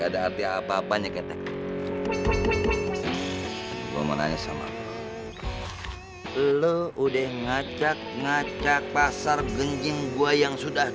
ada arti apa apanya ketek gue mau nanya sama lu udah ngacak ngacak pasar genjin gua yang sudah